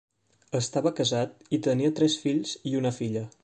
Estava casat i tenia tres fills i una filla.